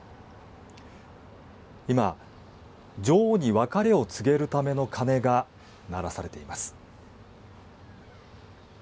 今、女王に別れを告げるための鐘が鳴らされています。